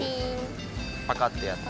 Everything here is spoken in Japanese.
パカッてやって。